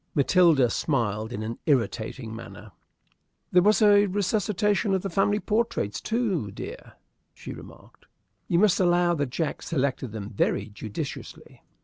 Matilda smiled in an irritating manner. "There was a resuscitation of the family portraits, too, dear," she remarked. "You must allow that Jack selected them very judiciously."